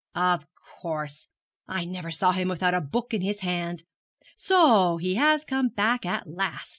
'Of course, I never saw him without a book in his hand. So he has come back at last.